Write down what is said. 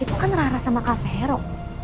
itu kan rara sama kak fero